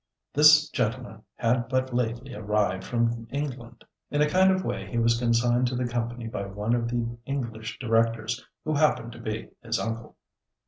This gentleman had but lately arrived from England. In a kind of way he was consigned to the company by one of the English directors, who happened to be his uncle.